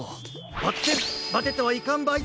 ばってんバテてはいかんばい！